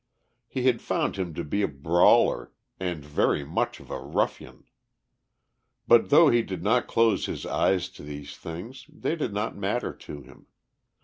He had found him to be a brawler and very much of a ruffian. But though he did not close his eyes to these things they did not matter to him.